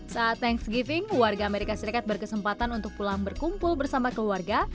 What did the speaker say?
saat thanks giving warga amerika serikat berkesempatan untuk pulang berkumpul bersama keluarga